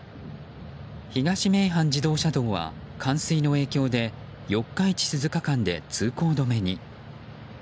東名阪自動車道は冠水の影響で四日市鈴鹿間で通行止めに。